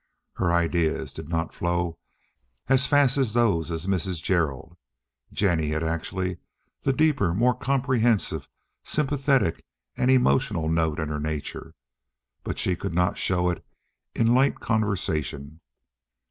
Her ideas did not flow as fast as those of Mrs. Gerald. Jennie had actually the deeper, more comprehensive, sympathetic, and emotional note in her nature, but she could not show it in light conversation.